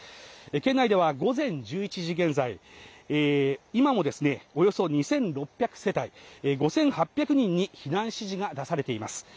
県内では午前１１時現在今もおよそ２６００世帯５８００人に避難指示が出されています